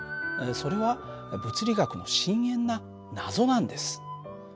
それは物理学の深遠な謎なんです。